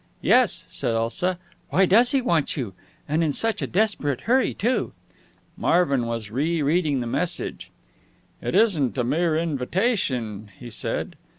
"Yes," said Elsa. "Why does he want you? And in such a desperate hurry, too!" Marvin was re reading the message. "It isn't a mere invitation," he said.